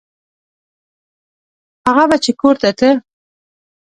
هغه به چې کور ته ته.